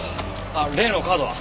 例のカードは？